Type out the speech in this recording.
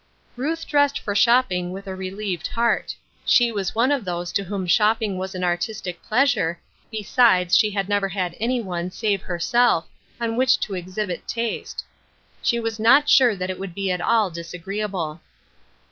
Ruth dressed for shopping with a relieved heart. She was one of those to whom shopping was an artistic pleasure, besides she had never had anyone, save herself, on which to exhibit baste. She was not sure that it would be at all disagreeable.